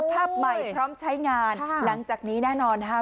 ภาพใหม่พร้อมใช้งานหลังจากนี้แน่นอนนะคะ